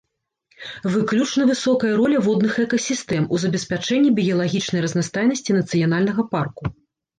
Выключна высокая роля водных экасістэм у забеспячэнні біялагічнай разнастайнасці нацыянальнага парку.